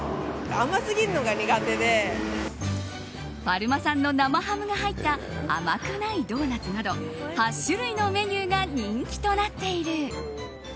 パルマ産の生ハムが入った甘くないドーナツなど８種類のメニューが人気となっている。